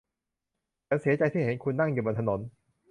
ฉันเสียใจที่เห็นคุณนั่งอยู่บนถนน